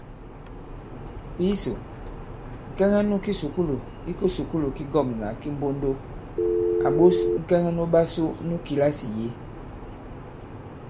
Pǐsò, ŋ̀kɛŋɛ nu kisùkulù i kisùkulù ki ŋgɔ̂mnà ki Mbondo à ɓos ŋ̀kɛŋɛ nuɓasu nu kìlasì yě.